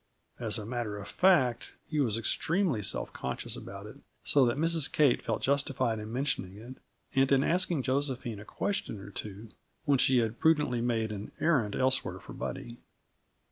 As a matter of fact, he was extremely self conscious about it, so that Mrs. Kate felt justified in mentioning it, and in asking Josephine a question or two when she had prudently made an errand elsewhere for Buddy.